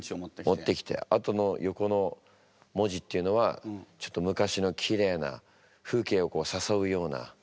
持ってきてあとの横の文字っていうのはちょっと昔のきれいな風景をさそう。